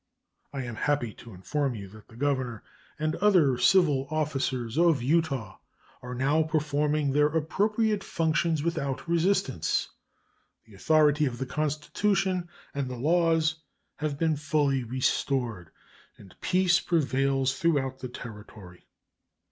I am happy to inform you that the governor and other civil officers of Utah are now performing their appropriate functions without resistance. The authority of the Constitution and the laws has been fully restored and peace prevails throughout the Territory.